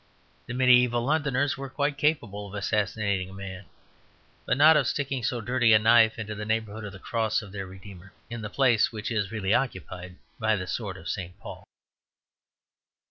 The mediæval Londoners were quite capable of assassinating a man, but not of sticking so dirty a knife into the neighbourhood of the cross of their Redeemer, in the place which is really occupied by the sword of St. Paul.